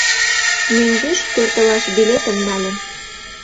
Мӧҥгеш пӧртылаш билетым нальым.